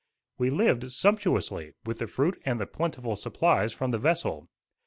We lived sumptuously, with the fruit and the plentiful supplies from the vessel.